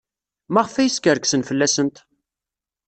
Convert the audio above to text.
Maɣef ay skerksen fell-asent?